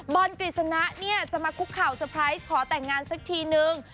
บอลกริสนะเนี่ยจะมาคุกข่าวสเติร์ปขอแต่งงานสักทีหนึ่ง